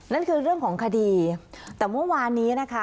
นั่นคือเรื่องของคดีแต่เมื่อวานนี้นะคะ